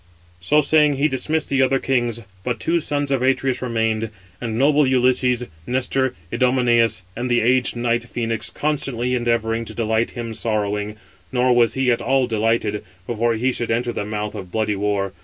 So saying, he dismissed the other kings: but two sons of Atreus remained; and noble Ulysses, Nestor, Idomeneus, and the aged knight Phœnix, constantly endeavouring to delight him sorrowing; nor was he at all delighted, before he should enter the mouth 638] of bloody war.